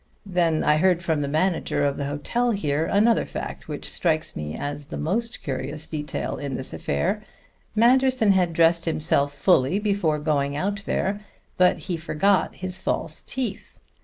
Then I heard from the manager of the hotel here another fact, which strikes me as the most curious detail in this affair. Manderson had dressed himself fully before going out there, but he forgot his false teeth.